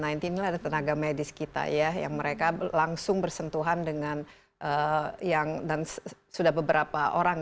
ini ada tenaga medis kita ya yang mereka langsung bersentuhan dengan yang dan sudah beberapa orang